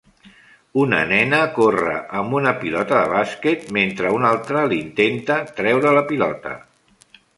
Una nena corre amb una pilota de bàsquet, mentre una altra l'intenta treure la pilota.